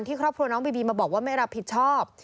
ครอบครัวน้องบีบีมาบอกว่าไม่รับผิดชอบ